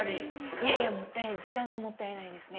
いやいやもったいない時間がもったいないですね。